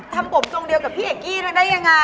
ทำผมตรงเดียวกับพี่เอ็กกี้นึงได้ยังงี้